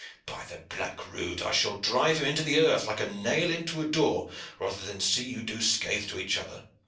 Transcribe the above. By the black rood! I shall drive him into the earth, like a nail into a door, rather than see you do scath to each other."